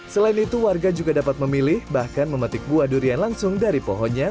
selain itu warga juga dapat memilih bahkan memetik buah durian langsung dari pohonnya